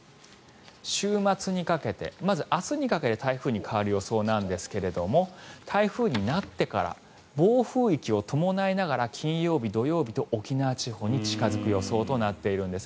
週末にかけてまず明日にかけて台風に変わる予想なんですが台風になってから暴風域を伴いながら金曜日、土曜日と沖縄地方に近付く予想となっているんです。